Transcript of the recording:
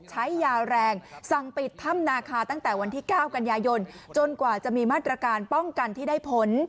ใช้ยาแรงสั่งปิดถ้ำนาคาตั้งแต่วันที่๙กันยายนจนกว่าจะมีมาตรการป้องกันที่ได้ผล